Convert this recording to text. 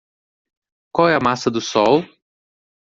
Qual é a massa do sol?